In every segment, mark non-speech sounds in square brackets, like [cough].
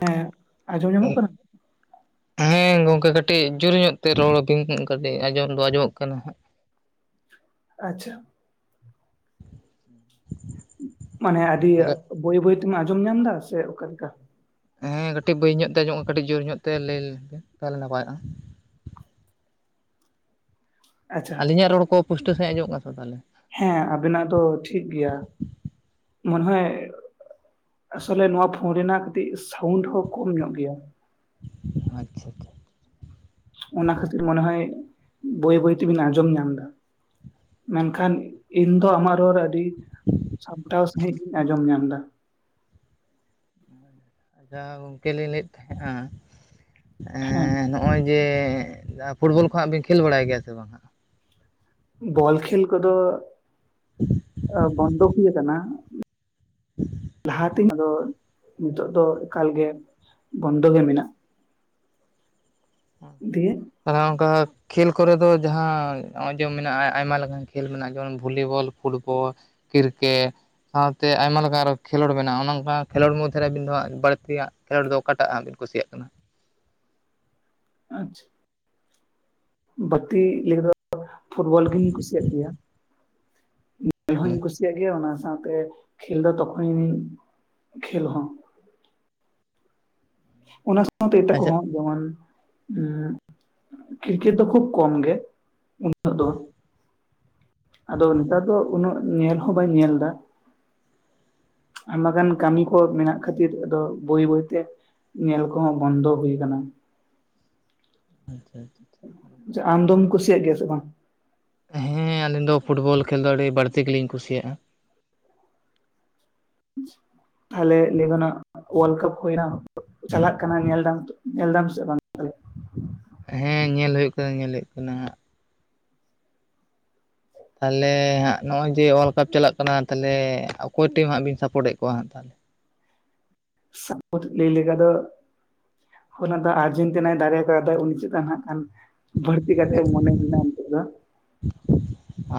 ᱦᱮᱸ ᱟᱸᱡᱚᱢ ᱧᱟᱢᱚᱜ ᱠᱟᱱᱟ ᱦᱮᱸ ᱜᱚᱝᱠᱮ ᱠᱟᱹᱴᱤᱡ ᱡᱳᱨ ᱧᱚᱜ ᱛᱮ ᱨᱚᱲ ᱟᱹᱵᱤᱱ ᱠᱟᱹᱴᱤᱡ ᱟᱸᱡᱚᱢ ᱫᱚ ᱟᱸᱡᱚᱢᱚᱜ ᱠᱟᱱᱟ ᱦᱟᱸᱜ ᱟᱪᱪᱷᱟ [inaudible] ᱢᱟᱱᱮ ᱟᱹᱰᱤ ᱦᱮᱞᱳ ᱵᱟᱹᱭ ᱵᱟᱹᱭ ᱛᱮᱢ ᱟᱸᱡᱚᱢ ᱧᱟᱢ ᱫᱟ ᱥᱮ ᱚᱠᱟ ᱞᱮᱠᱟ ᱦᱮᱸ ᱠᱟᱹᱴᱤᱡ ᱵᱟᱹᱭ ᱧᱚᱜ ᱛᱮ ᱟᱸᱡᱚᱢᱚᱜ ᱠᱟᱹᱴᱤᱡ ᱡᱳᱨ ᱧᱚᱜ ᱛᱮ ᱞᱟᱹᱭ [inaudible] ᱛᱟᱦᱚᱞᱮ ᱱᱟᱯᱟᱭᱚᱜᱼᱟ ᱟᱪᱪᱷᱟ ᱟᱹᱞᱤᱧᱟᱜ ᱨᱚᱲ ᱠᱚ ᱯᱩᱥᱴᱟᱹᱣ ᱥᱟᱺᱦᱤᱡ ᱟᱸᱡᱚᱢᱚᱜ ᱠᱟᱱᱟ ᱥᱮ ᱵᱟᱝ ᱛᱟᱦᱞᱮ ᱦᱮᱸ ᱟᱵᱮᱱᱟᱜ ᱫᱚ ᱴᱷᱤᱠ ᱜᱮᱭᱟ ᱢᱚᱱᱮ ᱦᱚᱭ ᱟᱥᱚᱞᱮ ᱱᱚᱣᱟ ᱯᱷᱳᱱ ᱨᱮᱱᱟᱜ ᱠᱟᱹᱴᱤᱡ ᱥᱟᱣᱩᱱᱰ ᱦᱚᱸ ᱠᱚᱢ ᱧᱚᱜ ᱜᱮᱭᱟ ᱟᱪᱪᱷᱟ ᱚᱱᱟ ᱠᱷᱟᱹᱛᱤᱨ ᱢᱚᱱᱮ ᱦᱚᱭ ᱵᱟᱹᱭ ᱵᱟᱹᱭ ᱛᱮᱵᱮᱱ ᱟᱸᱡᱚᱢ ᱧᱟᱢ ᱮᱫᱟ ᱢᱮᱱ ᱠᱷᱟᱱ ᱤᱧ ᱫᱚ ᱟᱢᱟᱜ ᱨᱚᱲ ᱟᱹᱰᱤ ᱥᱟᱢᱴᱟᱣ ᱥᱟᱺᱦᱤᱡ ᱜᱤᱧ ᱟᱸᱡᱚᱢ ᱧᱟᱢᱫᱟ ᱟᱪᱪᱷᱟ ᱜᱚᱝᱠᱮ ᱞᱤᱧ ᱞᱟᱹᱭᱮᱫ ᱛᱟᱦᱮᱸᱱᱟ ᱦᱮᱸ ᱱᱚᱜᱼᱚᱭ ᱡᱮ ᱯᱷᱩᱴᱵᱚᱞ ᱠᱚᱦᱟᱸᱜ ᱵᱮᱱ ᱠᱷᱮᱞ ᱵᱟᱲᱟᱭ ᱜᱮᱭᱟ ᱥᱮ ᱵᱟᱝ ᱵᱚᱞ ᱠᱷᱮᱞ ᱠᱚᱫᱚ ᱵᱚᱱᱫᱚ ᱦᱩᱭ ᱟᱠᱟᱱᱟ ᱞᱟᱦᱟ ᱛᱤᱱᱚ ᱫᱚ ᱱᱤᱛᱚᱜ ᱫᱚ ᱮᱠᱟᱞ ᱜᱮ ᱵᱚᱱᱫᱚ ᱜᱮ ᱢᱮᱱᱟᱜᱼᱟ ᱫᱤᱭᱮ ᱛᱟᱦᱞᱮ ᱚᱱᱠᱟ ᱠᱷᱮᱞ ᱠᱚᱨᱮ ᱫᱚ ᱡᱟᱦᱟᱸ ᱱᱚᱜᱼᱚᱭ ᱡᱮ ᱢᱮᱱᱟᱜᱼᱟ ᱟᱭᱢᱟ ᱞᱮᱠᱟᱱ ᱠᱷᱮᱞ ᱢᱮᱱᱟᱜᱼᱟ ᱡᱮᱢᱚᱱ ᱵᱷᱚᱞᱤ ᱵᱚᱞ ᱯᱷᱩᱴ ᱵᱚᱞ ᱠᱤᱨᱠᱮᱴ ᱥᱟᱶ ᱛᱮ ᱟᱭᱢᱟ ᱞᱮᱠᱟ ᱟᱨᱚ ᱠᱷᱮᱞᱳᱰ ᱢᱮᱱᱟᱜᱼᱟ ᱚᱱᱠᱟ ᱠᱷᱮᱞᱳᱰ ᱢᱚᱫᱽᱫᱷᱮ ᱨᱮ ᱟᱹᱵᱤᱱ ᱫᱚ ᱦᱟᱸᱜ ᱵᱟᱹᱲᱛᱤᱭᱟᱜ ᱠᱷᱮᱞᱳᱰ ᱫᱚ ᱚᱠᱟᱴᱟᱜ ᱦᱟᱸᱜ ᱵᱤᱱ ᱠᱩᱥᱤᱭᱟᱜ ᱠᱟᱱᱟ? ᱟᱪᱪᱷᱟ ᱵᱟᱹᱛᱤ [unintelligible] ᱫᱚ ᱯᱷᱩᱴᱵᱚᱞ ᱜᱤᱧ ᱠᱩᱥᱤᱭᱟᱜ ᱜᱮᱭᱟ ᱠᱷᱮᱞ ᱦᱚᱧ ᱠᱩᱥᱤᱭᱟᱜ ᱜᱮᱭᱟ ᱚᱱᱟ ᱥᱟᱶ ᱛᱮ ᱠᱷᱮᱞ ᱫᱚ ᱛᱚᱠᱷᱚᱱᱤᱧ ᱠᱷᱮᱞ ᱦᱚᱸ ᱚᱱᱟ ᱥᱟᱶᱛᱮ ᱮᱴᱟᱜ ᱟᱪᱪᱷᱟ ᱠᱚᱦᱚᱸ ᱡᱮᱢᱚᱱ ᱠᱨᱤᱠᱮᱴ ᱫᱚ ᱠᱷᱩᱵ ᱠᱚᱢ ᱜᱮ ᱩᱱᱟᱹᱜ ᱫᱚ ᱟᱫᱚ ᱱᱮᱛᱟᱨ ᱫᱚ ᱩᱱᱟᱹᱜ ᱧᱮᱞ ᱦᱚᱸ ᱵᱟᱹᱧ ᱧᱮᱞ ᱮᱫᱟ ᱟᱭᱢᱟ ᱜᱟᱱ ᱠᱟᱹᱢᱤ ᱠᱚ ᱢᱮᱱᱟᱜ ᱠᱷᱟᱹᱛᱤᱨ ᱟᱫᱚ ᱵᱟᱹᱭ ᱵᱟᱹᱭ ᱛᱮ ᱧᱮᱞ ᱠᱚᱦᱚᱸ ᱵᱚᱱᱫᱚ ᱦᱩᱭ ᱟᱠᱟᱱᱟ ᱟᱪᱪᱷᱟ ᱟᱪᱪᱷᱟ ᱟᱢᱫᱚᱢ ᱠᱩᱥᱤᱭᱟᱜ ᱜᱮᱭᱟ ᱥᱮ ᱵᱟᱝ? ᱦᱮᱸ ᱟᱹᱞᱤᱧ ᱫᱚ ᱯᱷᱩᱴ ᱵᱚᱞ ᱠᱷᱮᱞ ᱫᱚ ᱟᱹᱰᱤ ᱵᱟᱹᱲᱛᱤ ᱜᱮᱞᱤᱧ ᱠᱩᱥᱤᱭᱟᱜᱼᱟ [unintelligible] ᱛᱟᱦᱞᱮ ᱞᱟᱹᱭ ᱜᱟᱱᱚᱜᱼᱟ ᱚᱣᱟᱞᱰ ᱠᱟᱯ ᱦᱩᱭᱱᱟ ᱪᱟᱞᱟᱜ ᱠᱟᱱᱟ ᱧᱮᱞ ᱫᱟᱢ ᱧᱮᱞ ᱫᱟᱢ ᱥᱮ ᱵᱟᱝ? ᱦᱮᱸ ᱧᱮᱞ ᱦᱩᱭᱩᱜ ᱠᱟᱱᱟ ᱧᱮᱞ ᱦᱩᱭᱩᱜ ᱠᱟᱱᱟ ᱦᱟᱜ ᱛᱟᱦᱚᱞᱮ ᱦᱟᱸᱜ ᱱᱚᱜᱼᱚᱭ ᱡᱮ ᱳᱣᱟᱨᱞᱰ ᱠᱟᱯ ᱪᱟᱞᱟᱜ ᱠᱟᱱᱟ ᱛᱟᱦᱚᱞᱮ ᱚᱠᱚᱭ ᱴᱤᱢ ᱦᱟᱸᱜ ᱵᱤᱱ ᱥᱟᱯᱳᱨᱮᱫ ᱠᱚᱣᱟ ᱦᱟᱸᱜ ᱛᱟᱦᱚᱞᱮ ᱥᱟᱯᱚᱨᱴ ᱞᱟᱹᱭ ᱞᱮᱠᱟ ᱫᱚ ᱚᱱᱟ ᱫᱚ ᱟᱨᱡᱮᱱᱴᱤᱱᱟᱭ ᱫᱟᱲᱮ ᱠᱚᱜᱼᱟ ᱟᱫᱚ ᱩᱱᱤ ᱪᱮᱛᱟᱱ ᱱᱟᱜ ᱠᱷᱟᱱ ᱵᱟᱹᱲᱛᱤ ᱠᱟᱛᱮ ᱢᱚᱱᱮ ᱢᱮᱱᱟᱜᱼᱟ ᱱᱤᱛᱚᱜ ᱫᱚ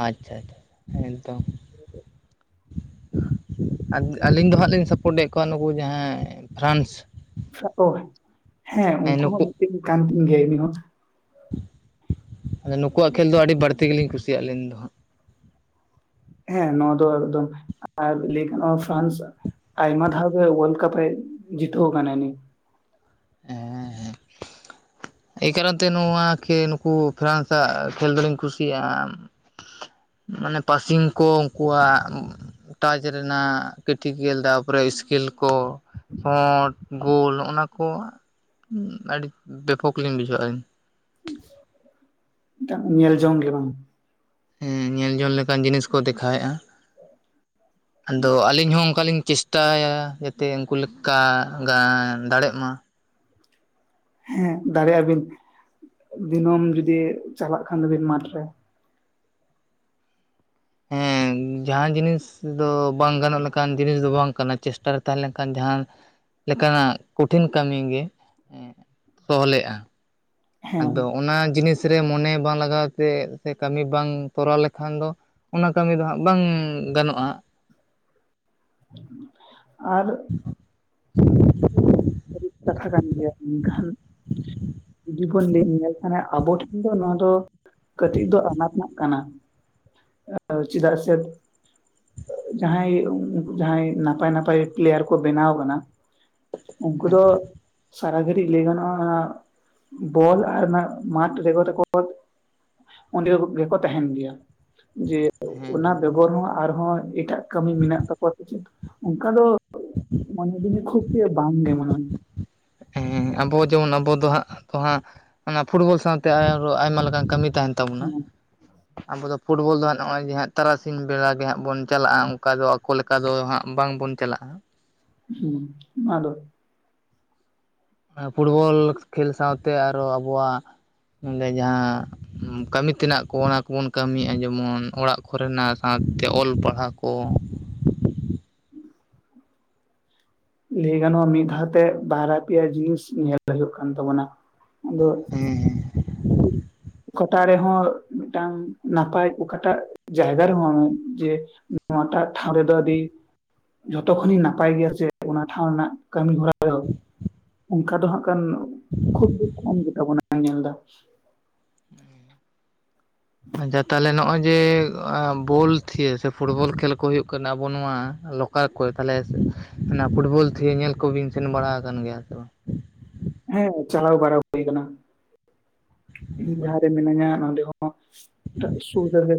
ᱟᱪᱪᱷᱟ ᱟᱪᱪᱷᱟ ᱮᱠᱫᱚᱢ ᱟᱹᱞᱤᱧ ᱫᱚ ᱦᱟᱸᱜ ᱞᱤᱧ ᱥᱟᱯᱳᱨᱴᱮᱫ ᱠᱚᱣᱟ ᱱᱩᱠᱩ ᱡᱟᱦᱟᱸᱭ ᱯᱷᱨᱟᱱᱥ ᱦᱮᱸ ᱩᱱᱠᱩ ᱦᱚᱸ ᱱᱩᱠᱩ ᱢᱤᱫᱴᱤᱱ ᱠᱟᱱ ᱛᱤᱧ ᱜᱮᱭᱟ ᱩᱱᱤ ᱦᱚᱸ ᱟᱫᱚ ᱱᱩᱠᱩᱣᱟᱜ ᱠᱷᱮᱹᱞ ᱫᱚ ᱟᱹᱰᱤ ᱵᱟᱹᱲᱛᱤ ᱜᱮᱞᱤᱧ ᱠᱩᱥᱤᱭᱟᱜᱼᱟ ᱟᱹᱞᱤᱧ ᱫᱚ ᱦᱟᱸᱜ ᱦᱮᱸ ᱱᱚᱣᱟ ᱫᱚ ᱮᱠᱫᱚᱢ ᱟᱨ ᱞᱟᱹᱭ ᱜᱟᱱᱚᱜᱼᱟ ᱯᱷᱨᱟᱱᱥ ᱟᱭᱢᱟ ᱫᱷᱟᱣ ᱜᱮ ᱚᱣᱟᱨᱞᱰ ᱠᱟᱯ ᱮ ᱡᱤᱛᱟᱹᱣ ᱟᱠᱟᱱᱟᱭ ᱦᱮᱸ ᱦᱮᱸ ᱮᱭ ᱠᱟᱨᱚᱱ ᱛᱮ ᱱᱚᱣᱟ ᱠᱷᱮᱞ ᱱᱩᱠᱩ ᱯᱷᱨᱟᱱᱥ ᱟᱜ ᱠᱷᱮᱞ ᱫᱚᱞᱤᱧ ᱠᱩᱥᱤᱭᱟᱜᱼᱟ ᱢᱟᱱᱮ ᱯᱟᱥᱤᱝ ᱠᱚ ᱩᱱᱠᱩᱣᱟᱜ ᱴᱟᱪ ᱨᱮᱱᱟᱜ ᱠᱮᱴᱤᱠᱮᱞ ᱛᱟᱨᱯᱚᱨᱮ ᱥᱠᱤᱞ ᱠᱚ ᱥᱚᱴ ᱜᱳᱞ ᱚᱱᱟᱠᱚ ᱟᱹᱰᱤ ᱵᱮᱯᱚᱠ ᱞᱤᱧ ᱵᱩᱡᱷᱟᱹᱣᱟᱞᱤᱧ ᱢᱤᱫᱴᱟᱝ ᱧᱮᱞ ᱡᱚᱝ ᱜᱮ ᱵᱟᱝ ᱦᱮᱸ ᱧᱮᱞᱡᱚᱝ ᱞᱮᱠᱟᱱ ᱡᱤᱱᱤᱥ ᱠᱚ ᱫᱮᱠᱷᱟᱣᱮᱫᱼᱟ ᱟᱫᱚ ᱟᱹᱞᱤᱧ ᱦᱚᱸ ᱚᱱᱠᱟᱞᱤᱧ ᱪᱮᱥᱴᱟᱭᱟ ᱡᱟᱛᱮ ᱩᱱᱠᱩ ᱞᱮᱠᱟ ᱫᱟᱲᱮᱜ ᱢᱟ ᱦᱮᱸ ᱫᱟᱲᱮᱭᱟᱜᱼᱟ ᱵᱤᱱ ᱫᱤᱱᱟᱹᱢ ᱡᱩᱫᱤ ᱪᱟᱞᱟᱜ ᱠᱷᱟᱱ ᱫᱚᱵᱤᱱ ᱢᱟᱴᱷᱨᱮ ᱦᱮᱸ ᱡᱟᱦᱟᱸ ᱡᱤᱱᱤᱥ ᱫᱚ ᱵᱟᱝ ᱜᱟᱱᱚᱜ ᱞᱮᱠᱟᱱ ᱡᱤᱱᱤᱥ ᱫᱚ ᱵᱟᱝ ᱠᱟᱱᱟ ᱪᱮᱥᱴᱟᱨᱮ ᱛᱟᱦᱮᱸ ᱞᱮᱱᱠᱷᱟᱱ ᱡᱟᱦᱟᱸ ᱞᱮᱠᱟᱱᱟᱜ ᱠᱚᱴᱷᱤᱱ ᱠᱟᱹᱢᱤ ᱜᱮ ᱥᱚᱦᱞᱮᱜᱼᱟ ᱦᱮᱸ ᱟᱫᱚ ᱚᱱᱟ ᱡᱤᱱᱤᱥ ᱨᱮ ᱢᱚᱱᱮ ᱵᱟᱝ ᱞᱟᱜᱟᱣ ᱛᱮ ᱥᱮ ᱠᱟᱹᱢᱤ ᱵᱟᱝ ᱠᱚᱨᱟᱣ ᱞᱮᱠᱷᱟᱱ ᱫᱚ ᱚᱱᱟ ᱠᱟᱹᱢᱤ ᱫᱚ ᱦᱟᱸᱜ ᱵᱟᱝ ᱜᱟᱱᱚᱜᱼᱟ ᱟᱨ ᱠᱟᱛᱷᱟ ᱠᱟᱱ ᱜᱮᱭᱟ ᱢᱮᱱᱠᱷᱟᱱ ᱡᱩᱫᱤ ᱵᱚᱱ ᱞᱟᱹᱭ ᱧᱮᱞᱠᱷᱟᱱ ᱟᱵᱚ ᱴᱷᱮᱱ ᱫᱚ ᱱᱚᱣᱟ ᱫᱚ ᱠᱟᱹᱴᱤᱡ ᱫᱚ ᱟᱱᱟᱴᱱᱟᱜ ᱠᱟᱱᱟ ᱪᱮᱫᱟᱜ ᱥᱮ ᱡᱟᱦᱟᱸᱭ ᱡᱟᱦᱟᱸᱭ ᱱᱟᱯᱟᱭ ᱱᱟᱯᱟᱭ ᱯᱞᱮᱭᱟᱨ ᱠᱚ ᱵᱮᱱᱟᱣ ᱠᱟᱱᱟ ᱩᱱᱠᱩ ᱫᱚ ᱥᱟᱨᱟ ᱜᱷᱟᱹᱲᱤᱡ ᱞᱟᱹᱭ ᱜᱟᱱᱚᱜᱼᱟ ᱵᱚᱞ ᱟᱨ ᱚᱱᱟ ᱢᱟᱴᱷ ᱨᱮᱜᱮ ᱛᱟᱠᱚ ᱚᱸᱰᱮ ᱜᱮᱠᱚ ᱛᱟᱦᱮᱱ ᱜᱮᱭᱟ ᱡᱮ ᱚᱱᱟ ᱦᱮᱸ ᱵᱮᱜᱚᱨ ᱦᱚᱸ ᱟᱨᱦᱚᱸ ᱮᱴᱟᱜ ᱠᱟᱹᱢᱤ ᱢᱮᱱᱟᱜ ᱛᱟᱠᱚᱣᱟ ᱪᱮᱫ ᱚᱱᱠᱟ ᱫᱚ ᱢᱚᱱᱮ [unintelligible] ᱠᱷᱩᱵ ᱵᱟᱝᱜᱮ ᱢᱚᱱᱮᱦᱚᱭ ᱦᱮᱸ ᱟᱵᱚ ᱡᱮᱢᱚᱱ ᱟᱵᱚ ᱫᱚ ᱦᱟᱸᱜ ᱫᱚ ᱦᱟᱸᱜ ᱚᱱᱟ ᱯᱷᱩᱴᱵᱚᱞ ᱥᱟᱶᱛᱮ ᱟᱨᱚᱸ ᱟᱭᱢᱟ ᱞᱮᱠᱟᱱ ᱠᱟᱹᱢᱤ ᱛᱟᱦᱮᱱ ᱛᱟᱵᱚᱱᱟ ᱟᱵᱚ ᱫᱚ ᱯᱷᱩᱴᱵᱚᱞ ᱫᱚ ᱦᱟᱸᱜ ᱱᱚᱜᱼᱚᱭᱮ ᱦᱟᱸᱜ ᱛᱟᱨᱟᱥᱤᱧ ᱵᱮᱲᱟ ᱜᱮ ᱦᱟᱸᱜ ᱵᱚᱱ ᱪᱟᱞᱟᱜᱼᱟ ᱚᱱᱠᱟ ᱫᱚ ᱟᱠᱚ ᱞᱮᱠ ᱚᱱᱠᱟ ᱫᱚ ᱦᱟᱸᱜ ᱵᱟᱝᱵᱚᱱ ᱪᱟᱞᱟᱜᱼᱟ ᱾ ᱦᱩᱸ ᱢᱟᱞᱳ ᱯᱷᱩᱴᱵᱚᱞ ᱠᱷᱮᱞ ᱥᱟᱶᱛᱮ ᱟᱨᱦᱚᱸ ᱟᱵᱚᱣᱟᱜ ᱱᱚᱸᱰᱮ ᱡᱟᱦᱟᱸ ᱠᱟᱹᱢᱤ ᱛᱮᱱᱟᱜ ᱠᱚ ᱚᱱᱟ ᱠᱚᱵᱚᱱ ᱠᱟᱹᱢᱤᱭᱮᱜᱼᱟ ᱡᱮᱢᱚᱱ ᱚᱲᱟᱜ ᱠᱚᱨᱮᱱᱟᱜ ᱥᱟᱶᱛᱮ ᱚᱞ ᱯᱟᱲᱦᱟᱜ ᱠᱚ, ᱞᱟᱹᱭ ᱜᱟᱱᱚᱜᱼᱟ ᱢᱤᱫ ᱫᱷᱟᱣ ᱛᱮ ᱵᱟᱨᱭᱟ ᱯᱮᱭᱟ ᱡᱤᱱᱤᱥ ᱧᱮᱞ ᱦᱩᱭᱩᱜ ᱠᱟᱱ ᱛᱟᱵᱚᱱᱟ ᱾ ᱟᱫᱚ ᱦᱮᱸ ᱚᱠᱟᱴᱟᱜ ᱨᱮᱦᱚᱸ ᱢᱤᱫᱴᱟᱝ ᱱᱟᱯᱟᱭ ᱚᱠᱟᱴᱟᱜ ᱡᱟᱭᱜᱟ ᱨᱮᱦᱚᱸ ᱡᱮ ᱱᱚᱣᱟᱴᱟᱜ ᱴᱷᱟᱶ ᱨᱮᱫᱚ ᱟᱹᱰᱤ ᱡᱷᱚᱛᱚ ᱠᱷᱚᱱᱤᱧ ᱱᱟᱯᱟᱭ ᱜᱮᱭᱟ ᱥᱮ, ᱚᱱᱟ ᱴᱷᱟᱶ ᱨᱮᱱᱟᱜ ᱠᱟᱹᱢᱤ ᱦᱚᱨᱟ ᱫᱚ ᱚᱱᱠᱟ ᱫᱚ ᱦᱟᱸᱜ ᱠᱷᱟᱱ ᱠᱷᱩᱵ ᱫᱩᱠ ᱠᱚᱢ ᱜᱮᱛᱟᱵᱚᱱᱟ ᱧᱮᱞ ᱫᱟ ᱾ ᱟᱪᱪᱷᱟ ᱛᱟᱦᱚᱞᱮ ᱱᱚᱜᱼᱚᱭ ᱡᱮ, ᱵᱚᱞ ᱛᱷᱤᱭᱟᱹ ᱥᱮ ᱯᱷᱩᱴᱵᱚᱞ ᱠᱷᱮᱞ ᱠᱚ ᱦᱩᱭᱩᱜ ᱠᱟᱱᱟ ᱟᱵᱚ ᱱᱚᱣᱟ ᱞᱳᱠᱟᱞ ᱠᱚᱨᱮ ᱛᱟᱦᱚᱞᱮ ᱚᱱᱟ ᱯᱷᱩᱴᱵᱚᱞ ᱛᱷᱤᱭᱟᱹ ᱧᱮᱞ ᱠᱚᱵᱤᱱ ᱥᱮᱱ ᱵᱟᱲᱟ ᱟᱠᱟᱱ ᱜᱮᱭᱟ ᱥᱮ ᱵᱟᱝ? ᱦᱮᱸ ᱪᱟᱞᱟᱣ ᱵᱟᱲᱟ ᱦᱩᱭ ᱟᱠᱟᱱᱟ ᱤᱧ ᱡᱟᱦᱟᱸ ᱨᱮ ᱢᱤᱱᱟᱹᱧᱟ ᱱᱚᱰᱮ ᱦᱚᱸ ᱥᱩᱨ ᱨᱮᱜᱮ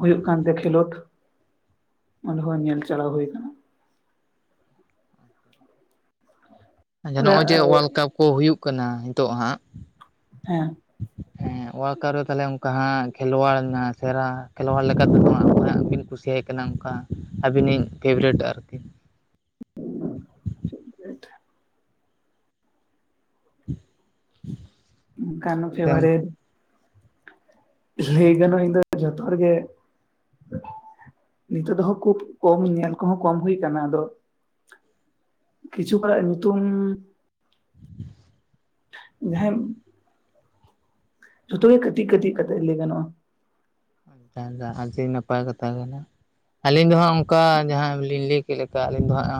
ᱦᱩᱭᱩᱜ ᱠᱟᱱᱛᱮ ᱠᱷᱮᱞᱳᱰ ᱚᱸᱰᱮ ᱦᱚᱸ ᱧᱮᱞ ᱪᱟᱞᱟᱣ ᱦᱩᱭ ᱠᱟᱱᱟ ᱾ ᱟᱪᱪᱷᱟ ᱛᱚᱵᱮ ᱱᱚᱜᱼᱚᱭ ᱡᱮ ᱳᱭᱟᱞᱰ ᱠᱟᱯ ᱠᱚ ᱦᱩᱭᱩᱜ ᱠᱟᱱᱟ ᱱᱤᱛᱚᱜ ᱦᱟᱸᱜ ᱦᱮᱸ ᱦᱮᱸ ᱳᱭᱟᱨᱠᱟᱨ ᱨᱮ ᱛᱟᱦᱚᱞᱮ ᱚᱱᱠᱟ ᱦᱟᱸᱜ ᱠᱷᱮᱞᱳᱣᱟᱲ ᱨᱮᱱᱟᱜ ᱥᱮᱨᱟ ᱠᱷᱮᱞᱣᱟᱲ ᱵᱤᱱ ᱠᱩᱥᱤᱭᱟᱭ ᱠᱟᱱᱟ ᱚᱱᱠᱟ ᱟᱹᱵᱤᱱᱤᱡ ᱯᱷᱮᱵᱟᱨᱮᱴ ᱟᱨᱠᱤ [inaudible] [inaudible] ᱚᱱᱠᱟᱱ ᱯᱷᱮᱵᱟᱨᱮᱴ ᱞᱟᱹᱭ ᱜᱟᱱᱚᱜᱼᱟ ᱤᱧ ᱫᱚ ᱡᱚᱛᱚ ᱦᱚᱲ ᱜᱮ, ᱱᱤᱛᱚᱜ ᱫᱚᱦᱚ ᱠᱷᱩᱵ ᱠᱚᱢ ᱤᱧ ᱧᱮᱞ ᱠᱚᱦᱚᱸ ᱠᱚᱢ ᱦᱩᱭ ᱠᱟᱱᱟ ᱟᱫᱚ ᱠᱤᱪᱷᱩ ᱠᱚᱲᱟᱜ ᱧᱩᱛᱩᱢ [unintelligible] ᱡᱷᱚᱛᱚ ᱜᱮ ᱠᱟᱹᱛᱤᱜ ᱠᱟᱹᱛᱤᱜ ᱠᱟᱛᱮ ᱞᱟᱹᱭ ᱜᱟᱱᱚᱜᱼᱟ ᱾ ᱛᱮᱦᱮᱧ ᱫᱚ ᱟᱹᱰᱤ ᱱᱟᱯᱟᱭ ᱠᱟᱛᱷᱟ ᱠᱟᱱᱟ ᱾ ᱟᱹᱞᱤᱧ ᱫᱚ ᱦᱟᱸᱜ ᱚᱱᱠᱟ ᱡᱟᱦᱟᱸ ᱞᱤᱧ ᱞᱟᱹᱭ ᱠᱮᱫ ᱞᱮᱠᱟ ᱟᱹᱞᱤᱧ ᱫᱚ ᱦᱟᱸᱜ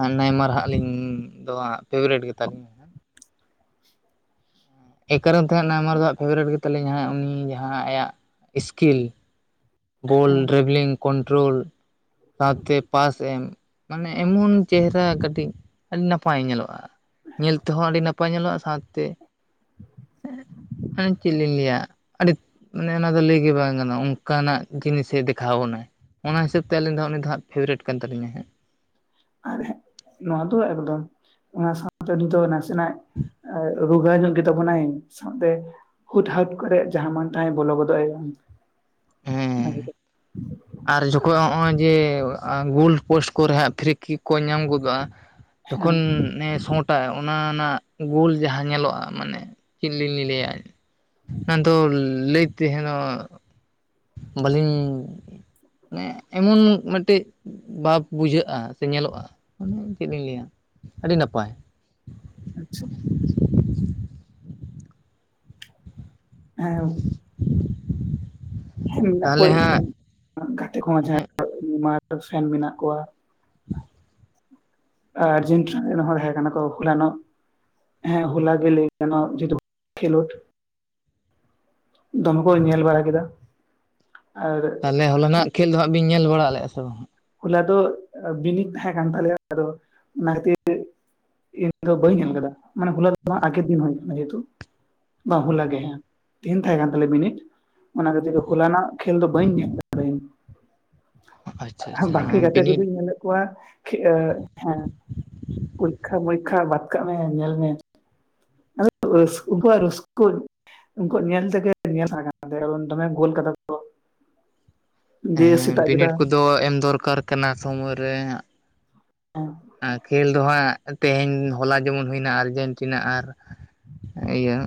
ᱟᱸᱜ ᱱᱟᱭᱢᱟᱨ ᱦᱟᱸᱜ ᱟᱹᱞᱤᱧ ᱫᱚ ᱦᱟᱸᱜ ᱯᱷᱮᱵᱟᱨᱮᱴ ᱜᱮᱛᱟᱞᱤᱧᱟᱭ ᱾ ᱮᱠᱟᱨᱚᱱ ᱛᱮ ᱦᱟᱸᱜ ᱱᱟᱭᱢᱟᱨ ᱫᱚ ᱯᱷᱮᱵᱟᱨᱮᱴ ᱜᱮᱛᱟᱞᱤᱧᱟ ᱩᱱᱤ ᱡᱟᱦᱟᱸ ᱟᱭᱟᱜ ᱥᱠᱤᱞ ᱜᱳᱞ ᱰᱨᱟᱵᱷᱮᱞᱤᱝ ᱠᱚᱱᱴᱨᱳᱞ ᱥᱟᱶᱛᱮ ᱯᱟᱥ ᱯᱟᱥ ᱮᱢ ᱢᱟᱱᱮ ᱮᱢᱚᱱ ᱪᱮᱦᱨᱟ ᱠᱟᱹᱴᱤᱡ ᱟᱹᱰᱤ ᱱᱟᱯᱟᱭ ᱧᱮᱞᱚᱜᱼᱟ ᱾ ᱧᱮᱞ ᱛᱮᱦᱚᱸ ᱟᱹᱰᱤ ᱱᱟᱯᱟᱭ ᱧᱮᱞᱚᱜᱼᱟ ᱥᱟᱶᱛᱮ ᱮᱸᱜ ᱢᱟᱱᱮ ᱪᱮᱫ ᱞᱤᱧ ᱞᱟᱹᱭᱟ ᱟᱹᱰᱤ ᱢᱟᱱᱮ ᱚᱱᱟ ᱫᱚ ᱞᱟᱹᱭᱜᱮ ᱵᱟᱝ ᱜᱟᱱᱚᱜᱼᱟ ᱚᱱᱠᱟᱱᱟᱜ ᱡᱤᱱᱤᱥᱮ ᱫᱮᱠᱷᱟᱣ ᱟᱵᱚᱱᱟᱭ ᱾ ᱚᱱᱟ ᱦᱤᱥᱟᱹᱵᱽᱛᱮ ᱟᱹᱞᱤᱧ ᱫᱚ ᱩᱱᱤ ᱫᱚ ᱦᱟᱸᱜ ᱯᱷᱮᱵᱟᱨᱮᱴ ᱠᱟᱱ ᱛᱟᱞᱤᱧᱟᱭ ᱦᱟᱸᱜ ᱟᱨ ᱱᱚᱣᱟ ᱫᱚ ᱮᱠᱫᱚᱢ ᱚᱱᱟ ᱥᱟᱶᱛᱮ ᱱᱤᱛᱚᱜ ᱱᱟᱥᱮᱱᱟᱜ ᱨᱩᱜᱟᱹᱭ ᱧᱚᱜ ᱜᱮᱛᱟ ᱵᱚᱱᱟᱭ ᱥᱟᱶᱛᱮ ᱦᱩᱴ ᱦᱟᱴ ᱠᱚᱨᱮ ᱡᱟᱦᱟᱸ ᱢᱟᱱ ᱛᱟᱦᱟᱭ ᱵᱚᱞᱚ ᱜᱚᱫᱚᱜᱼᱟᱭ ᱵᱟᱝ ᱦᱮᱸ ᱟᱨ ᱡᱚᱠᱷᱚᱡ ᱦᱚᱜᱼᱚᱭ ᱡᱮ ᱜᱳᱞᱰ ᱯᱳᱥᱴ ᱠᱚᱨᱮ ᱦᱟᱸᱜ ᱯᱷᱨᱤ ᱠᱚ ᱧᱟᱢ ᱜᱚᱫᱚᱜᱼᱟ ᱾ ᱡᱚᱠᱷᱚᱱ ᱦᱮᱸ ᱮᱸ ᱥᱚᱸᱴ ᱥᱚᱴᱟᱭ ᱚᱱᱟ ᱨᱮᱱᱟᱜ ᱜᱳᱞ ᱡᱟᱦᱟᱸ ᱧᱮᱞᱚᱜᱼᱟ ᱢᱟᱱᱮ ᱪᱮᱫ ᱞᱤᱧ ᱞᱟᱹᱞᱟᱹᱭᱟ ᱾ ᱢᱮᱱ ᱫᱚ ᱞᱟᱹᱭ ᱛᱮᱦᱚᱱᱚᱜ ᱵᱟᱹᱞᱤᱧ ᱢᱟᱱᱮ ᱮᱢᱚᱱ ᱢᱤᱫᱴᱮᱡ ᱵᱟᱵ ᱵᱩᱡᱷᱟᱹᱜᱼᱟ ᱥᱮ ᱧᱮᱞᱚᱜᱼᱟ ᱢᱟᱱᱮ ᱪᱮᱫ ᱞᱤᱧ ᱞᱟᱹᱭᱟ ᱟᱹᱰᱤ ᱱᱟᱯᱟᱭ ᱾ ᱟᱪᱪᱷᱟ ᱦᱮᱸ ᱦᱮᱸ ᱢᱮᱱᱟᱜ ᱠᱚᱣᱟ ᱛᱟᱦᱚᱞᱮ ᱦᱟᱸᱜ ᱤᱧᱨᱮ ᱜᱟᱛᱮ ᱠᱚᱦᱚᱸ ᱦᱮᱸ ᱡᱟᱦᱟᱸᱭ ᱢᱟᱨ ᱯᱷᱮᱱ ᱢᱮᱱᱟᱜ ᱠᱚᱣᱟ ᱾ ᱟᱨᱡᱮᱱᱴᱤᱱᱟ ᱨᱮᱱ ᱦᱚᱲ ᱦᱮ ᱠᱟᱱᱟ ᱠᱚ ᱦᱩᱞᱟᱱᱚ᱾ ᱦᱮᱸ ᱦᱚᱞᱟ ᱜᱮ ᱞᱟᱹᱭ ᱜᱟᱱ [unintelligible] ᱡᱮᱛᱩ ᱠᱷᱮᱞᱳᱰ, ᱫᱚᱢᱮ ᱠᱚ ᱧᱮᱞ ᱵᱟᱲᱟ ᱠᱮᱫᱟ᱾ ᱟᱨ ᱛᱟᱦᱚᱞᱮ ᱦᱚᱮᱱᱟᱜ ᱠᱷᱮᱞ ᱫᱚ ᱦᱟᱸᱜ ᱵᱤᱱ ᱧᱮᱞ ᱵᱟᱲᱟ ᱞᱮᱫᱼᱟ ᱥᱮ ᱵᱟᱝ? ᱦᱚᱞᱟ ᱫᱚ ᱵᱤᱱᱤᱰ ᱛᱟᱦᱮᱸᱟᱸ ᱠᱟᱱ ᱛᱟᱞᱮᱭᱟ ᱟᱫᱚ ᱚᱱᱟ ᱠᱷᱟᱹᱛᱤᱨ ᱤᱧ ᱫᱚ ᱵᱟᱹᱧ ᱧᱮᱞ ᱟᱠᱟᱫᱟ ᱢᱟᱱᱮ ᱦᱚᱞᱟ ᱟᱠᱮᱨ ᱫᱤᱱ ᱦᱩᱭ ᱠᱟᱱᱟ ᱡᱮᱦᱛᱩ, ᱵᱟᱝ ᱦᱚᱞᱟ ᱜᱮ ᱦᱮᱸ ᱛᱤᱦᱤᱧ ᱛᱟᱦᱮᱸ ᱠᱟᱱ ᱛᱟᱞᱮᱭᱟ ᱵᱤᱱᱤᱴ ᱚᱱᱟ ᱠᱷᱟᱹᱛᱤᱨ ᱛᱮ ᱦᱚᱞᱟ ᱨᱮᱱᱟᱜ ᱠᱷᱮᱞ ᱫᱚ ᱵᱟᱹᱧ ᱧᱮᱞ ᱫᱟ [unintelligible] ᱟᱪᱪᱷᱟ ᱟᱪᱪᱷᱟ ᱵᱟᱠᱤ ᱜᱟ ᱦᱮᱸ ᱠᱟᱛᱮ ᱵᱤᱱᱤᱰ ᱠᱚᱫᱚᱩᱧ ᱢᱮᱱᱮᱫ ᱠᱚᱣᱟ, ᱦᱮᱸ ᱯᱚᱨᱤᱠᱠᱷᱟ ᱯᱚᱨᱤᱠᱠᱷᱟ ᱵᱟᱫ ᱠᱟᱜ ᱢᱮ ᱧᱮᱞ ᱢᱮ, [unintelligible] ᱩᱱᱠᱩ ᱧᱮᱞ ᱛᱮᱜᱮ ᱧᱮᱞ ᱠᱟᱱᱟ ᱫᱚᱢᱮ ᱜᱳᱞ ᱠᱟᱫᱟ ᱠᱚ, ᱦᱮᱸ ᱵᱤᱱᱤᱰ ᱵᱮᱲᱟ ᱠᱚᱫᱚ ᱮᱢ ᱫᱚᱨᱠᱟᱨ ᱠᱟᱱᱟ ᱥᱚᱢᱚᱭ ᱨᱮ᱾ ᱠᱷᱮᱞ ᱫᱚ ᱦᱟᱸᱜ ᱛᱮᱦᱮᱧ ᱦᱚᱞᱟ ᱡᱮᱢᱚᱱ ᱦᱩᱭᱱᱟ ᱟᱨᱡᱮᱱᱴᱤᱱᱟ ᱟᱨ ᱤᱭᱟᱹ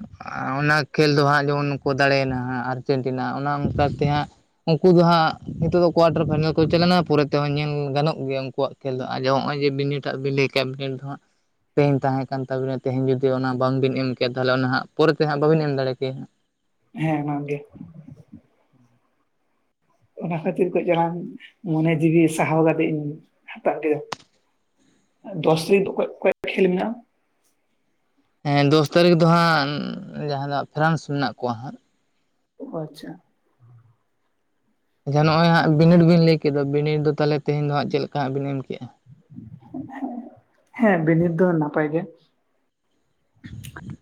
ᱚᱱᱟ ᱠᱷᱮᱞ ᱫᱚ ᱦᱟᱸᱜ ᱡᱮᱢᱚᱱ ᱠᱚ ᱫᱟᱲᱮᱭᱱᱟ ᱦᱟᱸᱜ ᱟᱨᱡᱮᱱᱴᱤᱱᱟ ᱚᱱᱟ ᱚᱱᱠᱟᱛᱮ ᱦᱟᱸᱜ, ᱩᱱᱠᱩ ᱫᱚ ᱦᱟᱸᱜ ᱱᱤᱛᱚᱜ ᱫᱚ ᱠᱚᱣᱟᱴᱟᱨ ᱯᱷᱟᱭᱱᱟᱞ ᱠᱚ ᱪᱟ ᱞᱮᱱᱟ ᱯᱚᱨᱮ ᱛᱮᱦᱚᱸ ᱧᱮᱞ ᱜᱟᱱᱚᱜ ᱜᱮᱭᱟ ᱩᱱᱠᱩᱣᱟᱜ ᱠᱷᱮᱞ ᱫᱚ ᱟ ᱦᱚᱸᱜᱼᱚᱭ ᱡᱮ, ᱵᱤᱱ ᱱᱹᱴᱟᱜ ᱵᱤᱱ ᱞᱟᱹᱭ ᱠᱮᱜᱼᱟ ᱫᱚ ᱦᱟᱸᱜ, ᱛᱮᱦᱮᱧ ᱛᱟᱦᱮᱸ ᱠᱟᱱ ᱛᱟᱵᱤᱱᱟ ᱛᱮᱦᱤᱧ ᱡᱩᱫᱤ ᱚᱱᱟ ᱵᱟᱝᱵᱤᱱ ᱮᱢ ᱠᱮᱼᱟ ᱛᱟᱦᱚᱞᱮ ᱚᱱᱟ ᱦᱜ ᱯᱚᱨᱮᱛᱮ ᱦᱟᱸᱜ ᱵᱟᱹᱵᱤᱱ ᱮᱢ ᱫᱟᱲᱮ ᱠᱮᱭᱟ ᱦᱟᱸᱜ᱾ ᱦᱮᱸ [unintelligible] ᱚᱱᱟ ᱠᱷᱟᱹᱛᱤᱨ ᱠᱚ ᱪᱞᱟᱝ ᱢᱚᱱᱮ ᱡᱤᱣᱤ ᱥᱟᱦᱟᱣ ᱠᱟᱛᱮ ᱤᱧ ᱦᱟᱛᱟᱣ ᱠᱮᱫᱟ᱾ ᱫᱚᱥ ᱨᱮ ᱚᱠᱚ ᱚᱠᱚᱭ ᱠᱷᱮᱞ ᱢᱮᱱᱟᱜᱼᱟ? ᱦᱮᱸ ᱫᱚᱥ ᱛᱟᱹᱨᱤᱠᱷ ᱫᱚ ᱦᱟᱸᱜ ᱡᱟᱦᱟᱸ ᱫᱚ ᱯᱷᱮᱨᱟᱱᱥ ᱢᱮᱱᱟᱜ ᱠᱚᱣᱟ ᱦᱟᱸᱜ᱾ ᱚ ᱟᱪᱪᱷᱟ ᱟᱪᱪᱷᱟ ᱱᱚᱜᱼᱚᱭ ᱦᱜ ᱵᱤ ᱵᱤᱱ ᱞᱟᱹᱭ ᱠᱮᱫᱟ ᱵᱤᱱᱤ ᱫᱚ ᱛᱟᱦᱚᱞᱮ ᱛᱮᱦᱮᱧ ᱫᱚ ᱦᱟᱸᱜ ᱪᱮᱫ ᱞᱮᱠᱟᱜ ᱵᱤᱱ ᱮᱢ ᱠᱮᱫᱮᱜᱼᱟ? ᱦᱮᱸ ᱵᱤᱱᱤᱰ ᱫᱚ ᱱᱟᱯᱟᱭ ᱜᱮ᱾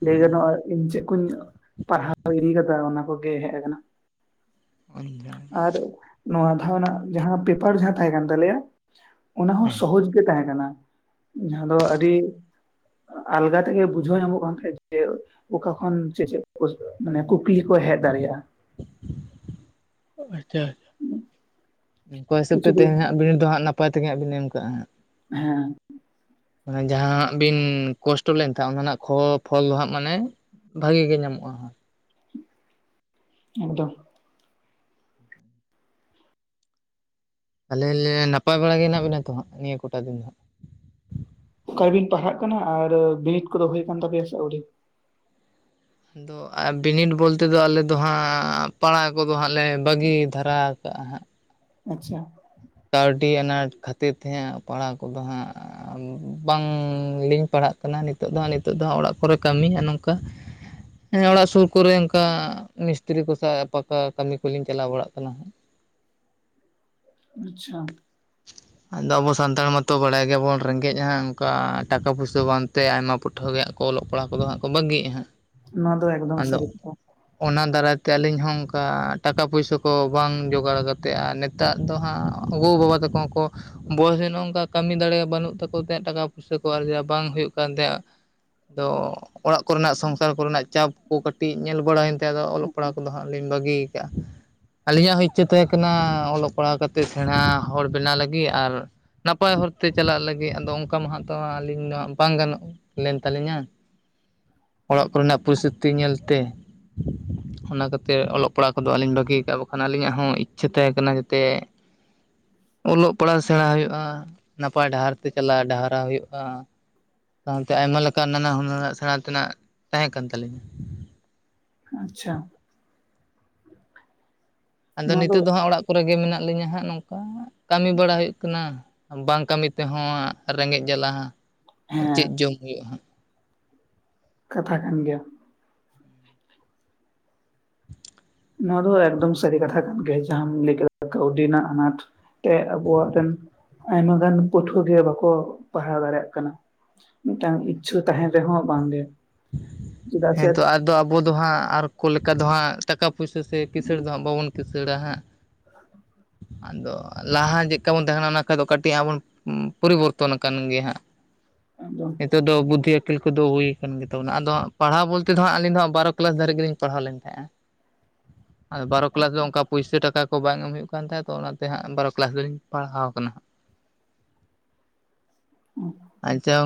ᱞᱟᱹᱭ ᱜᱟᱱᱚᱜᱼᱟ ᱤᱧ ᱪᱮᱫ ᱠᱚᱧ ᱯᱟᱲᱦᱟᱣ ᱤᱫᱤ ᱠᱟᱫᱟ ᱚᱱᱟ ᱠᱚᱜᱮ ᱦᱮᱡ ᱟᱠᱟᱱᱟ᱾ [unintelligible] ᱟᱨ ᱱᱚᱣᱟ ᱫᱷᱟᱣ ᱨᱮᱱᱟᱜ ᱡᱟᱦᱟᱸ ᱯᱮᱯᱟᱨ ᱡᱟᱦᱟᱸ ᱛᱟᱦᱮᱸ ᱠᱟᱱ ᱛᱟᱞᱮᱭᱟ᱾ ᱚᱱᱟ ᱦᱚᱸ ᱥᱚᱦᱚᱡ ᱜᱮ ᱛᱟᱦᱮᱸ ᱠᱟᱱᱟ, ᱡᱟᱦᱟᱸ ᱫᱚ ᱟᱹᱰᱤ ᱟᱞᱜᱟ ᱛᱮᱜᱮ ᱵᱩᱡ ᱵᱩᱡᱷᱟᱹᱣ ᱧᱟᱢᱚᱜ ᱠᱟᱱ ᱛᱟᱦᱮᱸ ᱡᱮ ᱚᱠᱟ ᱠᱷᱚᱱ ᱪᱮᱫ ᱪᱮᱫ ᱠᱚ ᱢᱟᱱᱮ ᱠᱩᱠᱞᱤ ᱠᱚ ᱦᱮᱡ ᱫᱟᱲᱮᱭᱟᱜᱼᱟ᱾ ᱟᱪᱪᱷᱟ ᱟᱪᱷᱟ ᱚᱱᱠᱟ ᱦᱤᱥᱟᱹᱵ ᱛᱮ ᱠᱤᱪᱷᱩ ᱫᱤᱱ ᱛᱮᱦᱮᱧᱜ ᱵᱤᱱ ᱫᱚ ᱦᱟᱸᱜ ᱱᱟᱯᱟᱭ ᱛᱮᱜᱮ ᱦᱟᱸᱜ ᱵᱤᱱ ᱮᱢ ᱠᱟᱜᱼᱟ ᱦᱟᱸᱜ᱾ ᱦᱮᱸ ᱢᱟᱱᱮ ᱡᱟᱦᱟᱸᱱᱟᱜ ᱵᱤᱱ ᱠᱚᱥᱴᱚ ᱞᱮᱱ ᱛᱟᱦᱮᱸ ᱚᱱᱟ ᱨᱮᱱᱟᱜ ᱯᱷᱚᱞ ᱫᱚ ᱦᱟᱸᱜ ᱢᱟᱱᱮ ᱵᱷᱟᱜᱤ ᱜᱮ ᱧᱟᱢᱚᱜᱼᱟ᱾ ᱮᱫᱚᱢ [inaudible] ᱟᱞᱮ ᱱᱟᱯᱟᱭ ᱵᱟᱲᱟ ᱜᱮ ᱦᱮᱱᱟᱜ ᱵᱮᱱᱟ ᱛᱚ ᱦᱜ ᱱᱤᱭᱟᱹ ᱠᱚᱴᱟ ᱫᱤᱱ ᱫᱚ ᱦᱟᱸᱜ? ᱚᱠᱟᱨᱮᱵᱤᱱ ᱯᱟᱲᱦᱟᱜ ᱠᱟᱱᱟ ᱟᱨ ᱵᱤᱱᱤᱰ ᱠᱚᱫᱚ ᱦᱩᱭ ᱟᱠ ᱛᱟᱯᱮᱭᱟ ᱥᱮ ᱟᱹᱣᱨᱤ? ᱫᱚ ᱟᱨ ᱵᱤᱱᱤᱰ ᱵᱚᱞᱛᱮᱫᱚ ᱟᱞᱮᱫ ᱫᱚ ᱦᱟᱸᱜ ᱯᱟᱲᱟ ᱠᱚᱫᱚ ᱦᱟᱸᱜ ᱞᱮ ᱵᱟᱹᱜᱤ ᱫᱷᱟᱨᱟ ᱠᱟᱜᱼᱟ ᱦᱟᱸᱜ᱾ ᱟᱪᱪᱷᱟ ᱠᱟᱹᱣᱰᱤ ᱟᱱᱟᱴ ᱠᱷᱟᱹᱛᱤᱨ ᱛᱮ ᱦᱟᱸᱜ ᱯᱟᱲᱦᱟᱣ ᱠᱚᱫᱚ ᱦᱟᱸᱜ, ᱵᱟᱝᱞᱤᱞᱤᱧ ᱯᱟᱲᱦᱟᱜ ᱠᱟᱱᱟ ᱱᱤᱛᱚᱜ ᱫᱚ ᱦᱟᱸᱜ ᱱᱤᱛᱚᱜ ᱫᱚ ᱦᱟᱸᱜ ᱚᱲᱟᱜ ᱠᱚᱨᱮ ᱠᱟᱹᱢᱤ ᱟ ᱱᱚᱝᱠᱟ᱾ ᱦᱮᱸ ᱚᱲᱟᱜ ᱥᱩᱨ ᱠᱚᱨᱮ ᱚᱱᱠᱟ ᱢᱤᱥᱛᱨᱤ ᱠᱚ ᱥᱟᱶ ᱯᱟᱷᱟᱠᱟ ᱠᱟᱹᱢᱤ ᱠᱚᱞᱤᱧ ᱪᱟᱞᱟᱣ ᱵᱟᱲᱟᱜ ᱠᱟᱱᱟ ᱦᱟᱸᱜ᱾ ᱟᱪᱪᱷᱟ ᱟᱫᱚ ᱟᱵᱚ ᱥᱟᱱᱛᱟᱲ ᱢᱟᱛᱚ ᱵᱟᱲᱟᱭ ᱜᱮᱭᱟᱵᱚᱱ ᱨᱮᱸᱜᱮᱡᱼᱟ ᱚᱱᱠᱟ ᱴᱟᱠᱟ ᱯᱩᱭᱥᱟᱹ ᱵᱟᱝᱛᱮ ᱟᱭᱢᱟ ᱯᱴᱷᱟᱹ ᱜᱮ ᱦ ᱠᱚ ᱚᱞᱚᱜ ᱯᱦᱟᱜ ᱠᱚᱫᱚ ᱦᱟᱸᱜ ᱠᱚ ᱵᱟᱹᱜᱤᱮᱜᱼᱟ ᱦᱟᱸᱜ᱾ ᱱᱚᱣᱟ ᱫᱚ ᱮᱠᱫᱚᱢ ᱟᱫᱚ ᱥᱟᱹᱨᱤ ᱠᱟᱛᱷᱟ᱾ ᱚᱱᱟ ᱫᱟᱨᱟᱭᱛᱮ ᱟᱹᱞᱤᱧ ᱦᱚᱸ ᱚᱱᱠᱟ ᱴᱟᱠᱟ ᱯᱩᱭᱥᱟᱹ ᱠᱚ ᱵᱟᱝ ᱡᱳᱚᱜᱟᱲ ᱠᱟᱛᱮᱼᱟ, ᱱᱮᱛᱟᱜ ᱫᱚ ᱦᱟᱸᱜ ᱜᱚᱼᱵᱟᱵᱟ ᱛᱟᱠᱚ ᱦᱚᱸ ᱠᱚ, ᱵᱚᱭᱚᱥ ᱨᱮ ᱱᱚ ᱱᱚᱝᱠᱟ ᱠᱟᱹᱢᱤ ᱫᱟᱲᱮᱭᱟᱜ ᱵᱟᱹᱱᱩᱜ ᱛᱟᱠᱚ ᱛᱟᱦᱮᱸ ᱴᱟᱠᱟ ᱯᱚᱭᱥᱟ ᱠᱚ ᱟᱨᱡᱟ ᱵᱟᱝ ᱦᱩᱭᱩᱜ ᱠᱟᱱ ᱛᱟᱦᱮᱸᱫ ᱫᱚ ᱚᱲᱟᱜ ᱠᱚᱨᱮᱱᱟᱜ ᱥᱚᱝᱥᱟᱨ ᱠᱚᱨᱮᱱᱟᱜ ᱪᱟᱯ ᱠᱚ ᱠᱟᱹᱴᱤᱡ ᱧᱮᱞ ᱵᱟᱲᱟᱭᱮᱱ ᱛ ᱫᱚ ᱚᱞᱚᱜ ᱯᱟᱲᱦᱟᱜ ᱠᱚᱫᱚ ᱦᱟᱸᱜ ᱞᱤᱧ ᱵᱟᱹᱜᱤᱭᱟ ᱟᱠᱫᱼᱟ ᱟᱹᱞᱤᱧᱟᱜ ᱦᱚᱸ ᱤᱪᱪᱷᱟᱹ ᱛᱟᱦᱮᱸ ᱠᱟᱱᱟ ᱚᱞᱚᱜᱦᱟᱜ ᱯᱟᱲᱟᱣ ᱠᱟᱛᱮᱫ ᱥᱮᱬᱟ ᱦᱚᱲ ᱵᱮᱱᱟᱣ ᱞᱟᱹᱜᱤᱫ ᱟᱨ ᱱᱟᱯᱟᱭ ᱦᱚᱨᱛᱮ ᱪᱟᱞᱟᱜ ᱞᱟᱹᱜᱤᱫ ᱟᱫᱚ ᱚᱱᱠᱟ ᱢᱟ ᱦᱟᱛᱟᱣᱟ ᱟᱹᱞᱤᱧ ᱢᱟ ᱵᱟᱝ ᱜᱟᱱᱚᱜᱼᱟ ᱞᱮᱱ ᱛᱟᱞᱤᱧᱟ ᱚᱲᱟᱜ ᱠᱚᱨᱮᱱᱟᱜ ᱯᱚᱨᱤᱥᱛᱷᱤᱛᱤ ᱧᱮᱞᱛᱮ ᱚᱱᱟ ᱠᱷᱟᱹᱛᱤᱨ ᱚᱞᱚᱜ ᱯᱟᱲᱦᱟᱜ ᱠᱚᱫᱚ ᱟᱹᱞᱤᱧ ᱵᱷᱟᱜᱤᱭ ᱠᱟᱜᱼᱟ ᱵᱟᱠᱷᱟᱱ ᱟᱹᱞᱤᱧᱟᱜ ᱦᱚᱸ ᱤᱪᱪᱷᱟᱹ ᱛᱟᱦᱮᱠᱟᱱᱟ ᱡᱟᱛᱮ ᱚᱞᱚᱜ ᱯᱟᱲᱦᱟᱣ ᱥᱮᱬᱟ ᱦᱩᱭᱩᱜᱼᱟ ᱱᱟᱯᱟᱭ ᱰᱟᱦᱟᱨ ᱛᱮ ᱪᱟᱞᱟᱜ ᱰᱟᱦᱟᱨᱟᱣ ᱦᱩᱭᱩᱜᱼᱟ ᱥᱟᱶᱛᱮ ᱟᱭᱢᱟ ᱞᱮᱠᱟ ᱱᱟᱱᱟ ᱦᱩᱱᱟᱹᱨ ᱥᱮᱬᱟ ᱛᱮᱱᱟᱜ ᱛᱟᱦᱮᱸ ᱠᱟᱱ ᱛᱟᱹᱟᱞᱤᱧᱟ ᱟᱪᱪᱷᱟ ᱟᱫᱚ ᱱᱤᱛᱚᱜᱜ ᱫᱚ ᱦᱜ ᱚᱲᱟᱜ ᱠᱚᱨᱮ ᱜᱮ ᱢᱮᱱᱟᱜ ᱞᱤᱧᱟᱹ ᱦᱟᱸᱜ ᱱᱚᱝᱠᱟ ᱠᱟᱹᱢᱤ ᱵᱟᱲᱟ ᱦᱩᱭᱩᱜ ᱠᱟᱱᱟ ᱵᱟᱝ ᱠᱟᱹᱢᱤ ᱛᱮᱦᱚᱸ ᱦᱟᱸᱜ ᱨᱮᱸᱜᱮᱡ ᱡᱟᱞᱟ ᱦᱟᱸᱜ ᱦᱮᱸ ᱪᱮᱫ ᱡᱚᱢ ᱦᱩᱭᱩᱜ-ᱟ ᱦᱟᱸᱜ ᱠᱟᱛᱷᱟ ᱠᱟᱱ ᱜᱮᱭᱟ ᱱᱚᱶᱟ ᱫᱚ ᱮᱠᱫᱚᱢ ᱥᱟᱹᱨᱤ ᱠᱟᱛᱷᱟ ᱠᱟᱱ ᱜᱮᱭᱟ ᱡᱟᱦᱟᱢ ᱞᱟᱹᱭ ᱠᱮᱫ ᱠᱟᱹᱣᱰᱤ ᱨᱮᱱᱟᱜ ᱟᱱᱟᱴ ᱛᱮ ᱟᱵᱚᱣᱟᱜ ᱨᱮᱱ ᱟᱭᱢᱟ ᱜᱟᱱ ᱯᱟᱹᱴᱷᱩᱣᱟᱹ ᱜᱮ ᱵᱟᱠᱚ ᱯᱟᱲᱦᱟᱣ ᱫᱟᱲᱮᱭᱟᱜ ᱠᱟᱱᱟ ᱢᱤᱫᱴᱟᱝ ᱤᱪᱪᱷᱟᱹ ᱛᱟᱦᱮᱱ ᱨᱮᱦᱚᱸ ᱵᱟᱝ ᱜᱮ ᱦᱮᱸ ᱛᱚ ᱟᱫᱚ ᱟᱵᱚ ᱫᱚ ᱦᱟᱸᱜ ᱟᱨ ᱠᱚ ᱞᱮᱠᱟ ᱫᱚ ᱦᱟᱸᱜ ᱴᱟᱠᱟ ᱯᱩᱭᱥᱟᱹ ᱥᱮ ᱠᱤᱥᱟᱹᱬ ᱫᱚ ᱦᱟᱸᱜ ᱵᱟᱵᱚᱱ ᱠᱤᱥᱟᱹᱬᱲᱟ ᱦᱟᱸᱜ ᱟᱫᱚ ᱞᱟᱦᱟ ᱪᱮᱫ ᱠᱟᱵᱚᱱ ᱛᱟᱦᱮᱱᱟ ᱚᱱᱟ ᱠᱷᱟᱡ ᱫᱚ ᱠᱟᱹᱴᱤᱡ ᱟᱵᱚᱱ ᱯᱚᱨᱤᱵᱚᱨᱛᱚᱱ ᱟᱠᱟᱱ ᱜᱮᱭᱟ ᱦᱟᱸᱜ ᱟᱫᱚ ᱱᱤᱛᱚᱜ ᱫᱚ ᱵᱩᱫᱽᱫᱷᱤ ᱟᱹᱠᱤᱞ ᱠᱚᱫᱚ ᱦᱩᱭ ᱠᱟᱱ ᱜᱮ ᱛᱟᱵᱚᱱᱟ ᱟᱫᱚ ᱦᱟᱸᱜ ᱯᱟᱲᱦᱟᱣ ᱵᱚᱞᱛᱮ ᱫᱚ ᱦᱟᱸᱜ ᱟᱹᱞᱤᱧ ᱫᱚ ᱦᱟᱸᱜ ᱵᱟᱨᱚ ᱠᱞᱟᱥ ᱫᱷᱟᱹᱨᱤᱡ ᱜᱮᱞᱤᱧ ᱯᱟᱲᱦᱟᱣ ᱞᱮᱱ ᱛᱟᱦᱮᱸᱜ-ᱟ᱾ ᱟᱫᱚ ᱵᱟᱨᱚ ᱠᱞᱟᱥ ᱫᱚ ᱚᱱᱠᱟᱵ ᱯᱩᱭᱥᱟᱹ ᱴᱟᱠᱟ ᱠᱚ ᱵᱟᱝ ᱮᱢ ᱦᱩᱭᱩᱜ ᱠᱟᱱ ᱛᱟᱦᱮᱸᱫ ᱛᱚ ᱚᱱᱟ ᱛᱮ ᱦᱟᱸᱜ ᱵᱟᱨᱚ ᱠᱞᱟᱥ ᱫᱚᱞᱤᱧ ᱯᱟᱲᱦᱟᱣ ᱠᱟᱱᱟ ᱦᱟᱸᱜ ᱟᱪᱪᱷᱟᱢ